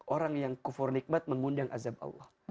orang yang kufur nikmat mengundang azab allah